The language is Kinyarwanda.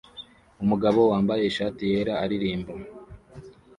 Umugabo wambaye ishati yera aririmba